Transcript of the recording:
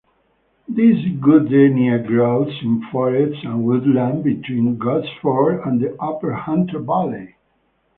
This goodenia grows in forest and woodland between Gosford and the upper Hunter Valley.